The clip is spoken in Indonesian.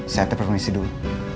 saya tepuk komisi dulu